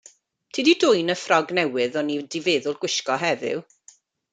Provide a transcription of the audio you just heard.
Ti 'di dwyn y ffrog newydd o'n i 'di feddwl gwisgo heddiw?